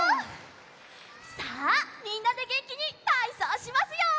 さあみんなでげんきにたいそうしますよ！